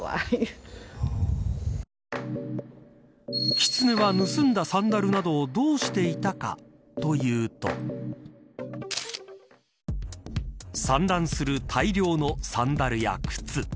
キツネは盗んだサンダルなどをどうしていたか、というと散乱する大量のサンダルや靴。